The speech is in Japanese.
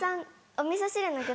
おみそ汁の具